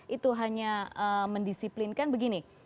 itu hanya mendisiplinkan begini